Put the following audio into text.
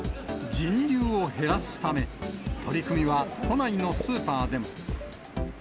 人流を減らすため、取り組みは都内のスーパーでも。